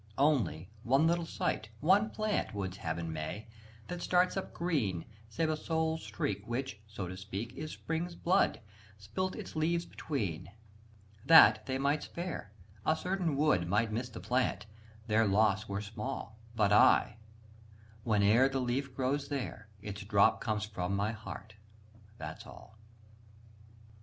Only, one little sight, one plant, Woods have in May, that starts up green Save a sole streak which, so to speak, Is spring's blood, spilt its leaves between, That, they might spare; a certain wood Might miss the plant; their loss were small: But I, whene'er the leaf grows there, Its drop comes from my heart, that's all.